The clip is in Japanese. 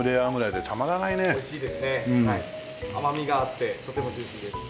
甘みがあってとてもジューシーです。